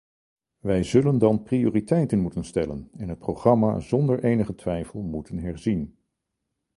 Wij zullen dan prioriteiten moeten stellen en het programma zonder enige twijfel moeten herzien.